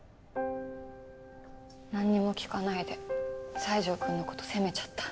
なんにも聞かないで西条くんの事責めちゃった。